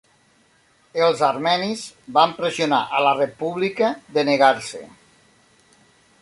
Els armenis van pressionar a la República de negar-se.